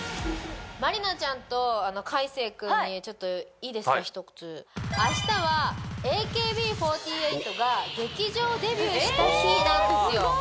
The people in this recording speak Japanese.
まりなちゃんと海青君にちょっといいですか一つ明日はＡＫＢ４８が劇場デビューした日なんですよえ！